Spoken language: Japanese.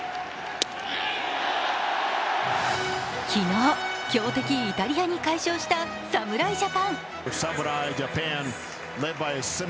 昨日、強敵イタリアに快勝した侍ジャパン。